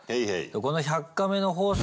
この「１００カメ」の放送